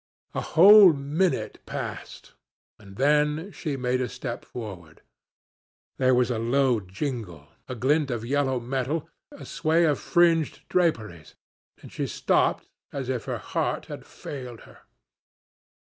A whole minute passed, and then she made a step forward. There was a low jingle, a glint of yellow metal, a sway of fringed draperies, and she stopped as if her heart had failed her.